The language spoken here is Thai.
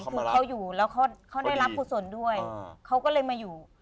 คือเขาอยู่แล้วเขาได้รับกุศลด้วยเขาก็เลยมาอยู่